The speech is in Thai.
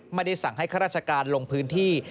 ไม่ได้สั่งให้ข้าราชการลงพื้นที่